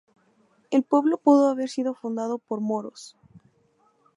El pueblo pudo haber sido fundado por moros.